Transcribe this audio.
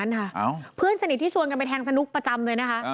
เพื่อนสนิทที่ชวนกันไปแทงสนุกประจำเลยนะคะ